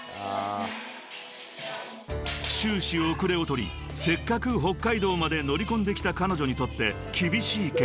［終始遅れを取りせっかく北海道まで乗り込んできた彼女にとって］